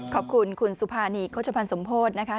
ขอบคุณคุณสุภานีโฆษภัณฑ์สมโพธินะคะ